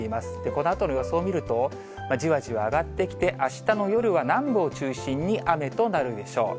このあとの予想を見ると、じわじわ上がってきて、あしたの夜は南部を中心に雨となるでしょう。